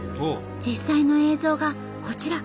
実際の映像がこちら。